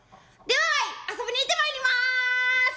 では遊びに行ってまいります」。